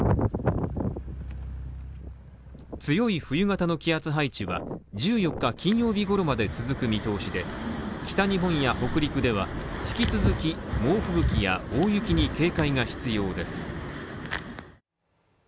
強い冬型の気圧配置は１４日金曜日頃まで続く見通しで、北日本や北陸では、引き続き猛吹雪や大雪に警戒が必要です。